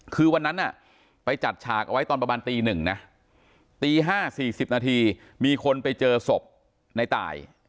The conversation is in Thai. คือวันนั้นไปจัดฉากเอาไว้ตอนประมาณตีหนึ่งนะตี๕๔๐นาทีมีคนไปเจอศพในตาย